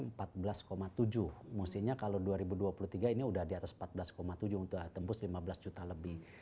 maksudnya kalau dua ribu dua puluh tiga ini sudah di atas empat belas tujuh untuk tembus lima belas juta lebih